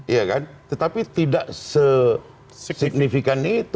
iya kan tetapi tidak se signifikan itu